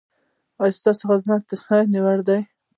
ایا ستاسو خدمت د ستاینې وړ دی؟